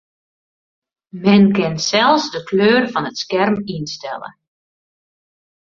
Men kin sels de kleur fan it skerm ynstelle.